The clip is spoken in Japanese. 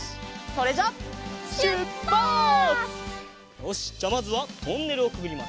よしじゃあまずはトンネルをくぐります。